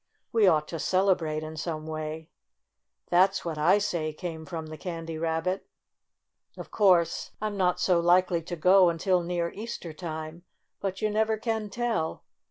We ought to celebrate in. some way." "That's what I say!" came from the PUN IN TOY TOWN 13 Candy Rabbit. "Of course, I'm not so likely to go until near Easter time. But you never can tell.